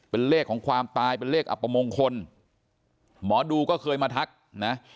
เป็นเลขของความตายเป็นเลขอัปมงคลหมอดูก็เคยมาทักนะ